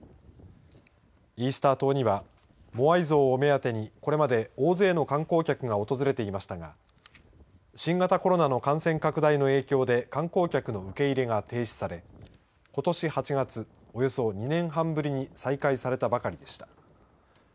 イースター島にはモアイ像を目当てにこれまで大勢の観光客が訪れていましたが新型コロナの感染拡大の影響で観光客の受け入れが停止されことし８月およそ２年半ぶりに再開されたばかりでした。